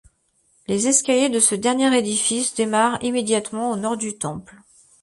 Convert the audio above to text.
Les escaliers de ce dernier édifice démarrent immédiatement au nord du temple.